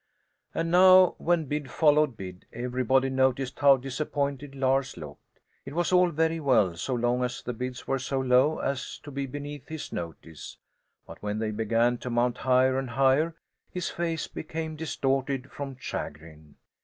And now, when bid followed bid, everybody noticed how disappointed Lars looked. It was all very well so long as the bids were so low as to be beneath his notice; but when they began to mount higher and higher, his face became distorted from chagrin.